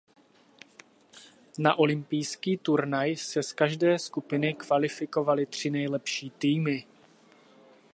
Na olympijský turnaj se z každé skupiny kvalifikovaly tři nejlepší týmy.